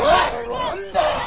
何だよ！